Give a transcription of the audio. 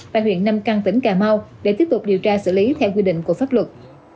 tại huyện nam căn tỉnh cà mau để tiếp tục điều tra xử lý theo quy định của pháp luật